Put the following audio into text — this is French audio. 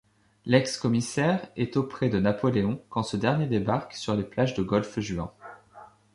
L'ex-commissaire est auprès de Napoléon quand ce dernier débarque sur les plages de Golfe-Juan.